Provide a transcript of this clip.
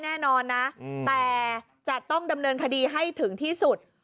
แน่นอนนะแต่จะต้องดำเนินคดีให้ถึงที่สุด